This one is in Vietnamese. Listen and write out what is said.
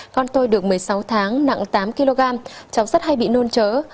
con tôi được một mươi sáu tháng nặng tám kg cháu rất hay bị nôn chớ